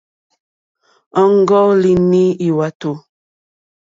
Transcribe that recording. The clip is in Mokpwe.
Ɔ́ŋɡɔ́línì lwàtò.